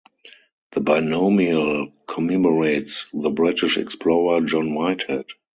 The binomial commemorates the British explorer John Whitehead.